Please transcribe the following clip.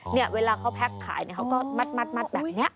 เนี่ยเวลาเขาแพ็คขายเนี่ยเขาก็มัดแบบนี้